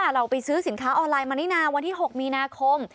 เราไปซื้อสินค้าออนไลน์มานี่นาวันที่๖มีนาคม